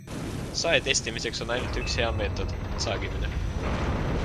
Sae testimiseks on ainult üks hea meetod - saagimine.